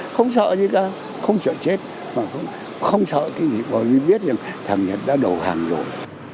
không sợ gì cả không sợ chết không sợ cái gì bởi vì biết rằng thằng nhật đã đổ hàng rồi